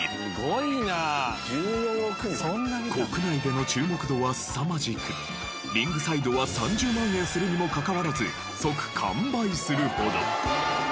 国内での注目度はすさまじくリングサイドは３０万円するにもかかわらず即完売するほど。